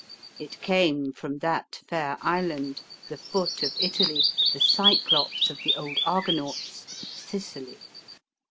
It came from that fair island the foot of Italy, the Cyclops of the old Argonauts l Sicily.